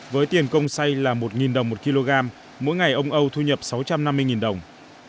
với tiền công say là một đồng một kg mỗi ngày ông âu thu nhập sáu trăm năm mươi đồng